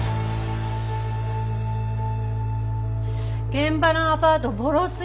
現場のアパートボロすぎ。